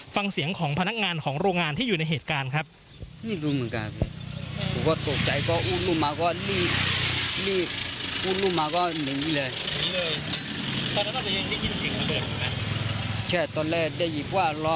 ฟังเสียงของพนักงานของโรงงานที่อยู่ในเหตุการณ์ครับ